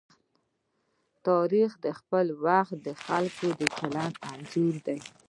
تاریخ د خپل وخت د خلکو د چلند انځور دی.